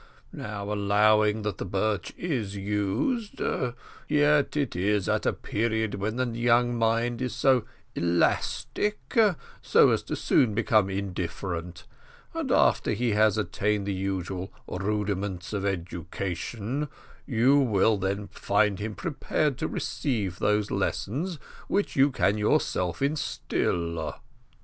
Now, allowing that the birch is used, yet it is at a period when the young mind is so elastic as to soon become indifferent; and after he has attained the usual rudiments of education, you will then find him prepared to receive those lessons which you can yourself instil."